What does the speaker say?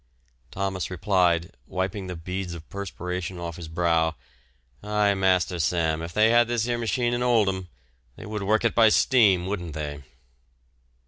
Thomas replied, wiping the beads of perspiration off his brow, "Aye, Master Sam, if they had this 'ere machine in Holdham they would work it by steam, wouldn't they?"